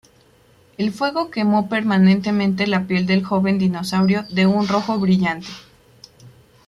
El fuego quemó permanentemente la piel del joven dinosaurio de un rojo brillante.